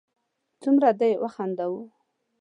څومره دې و خنداوه